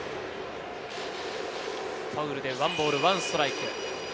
ファウルで１ボール１ストライク。